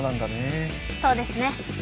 そうですね。